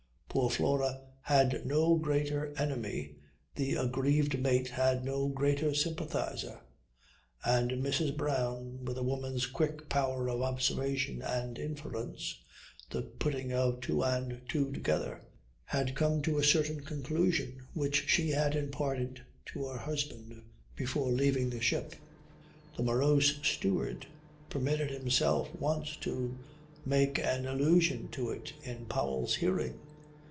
Poor Flora had no greater enemy, the aggrieved mate had no greater sympathizer. And Mrs. Brown, with a woman's quick power of observation and inference (the putting of two and two together) had come to a certain conclusion which she had imparted to her husband before leaving the ship. The morose steward permitted himself once to make an allusion to it in Powell's hearing.